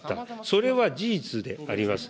それは事実であります。